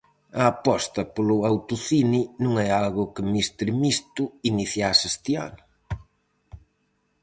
A aposta polo autocine non é algo que Míster Misto iniciase este ano.